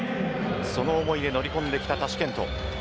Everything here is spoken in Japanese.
その思いで乗り込んできたタシケント。